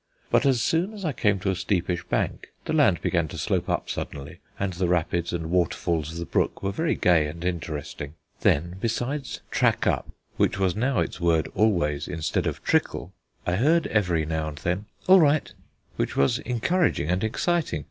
But soon I came to a steepish bank the land began to slope up suddenly and the rapids and waterfalls of the brook were very gay and interesting. Then, besides Track up, which was now its word always instead of Trickle, I heard every now and then All right, which was encouraging and exciting.